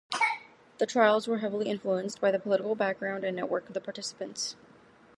The trials were heavily influenced by the political background and network of the participants.